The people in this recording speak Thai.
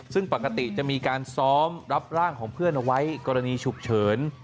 ซึ่งปกติจะมีการซ้อมรับร่างของเพื่อนเอาไว้กรณีฉุกเฉิน